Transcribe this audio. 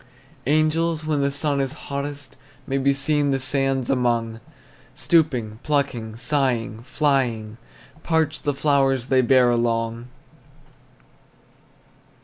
Angels when the sun is hottest May be seen the sands among, Stooping, plucking, sighing, flying; Parched the flowers they bear along.